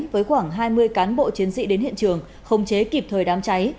với khoảng hai mươi cán bộ chiến sĩ đến hiện trường không chế kịp thời đám cháy